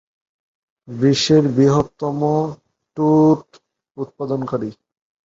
বিশ্বের বৃহত্তম কনডম উৎপাদনকারী।